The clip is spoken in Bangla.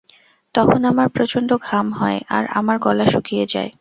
তখন আমার প্রচন্ড ঘাম হয় আর আমার গলা শুকিয়ে যায়।